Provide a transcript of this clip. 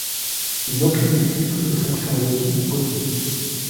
Il n'occupe depuis plus de fonction élective ou politique.